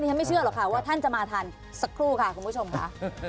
ฉันไม่เชื่อหรอกค่ะว่าท่านจะมาทันสักครู่ค่ะคุณผู้ชมค่ะ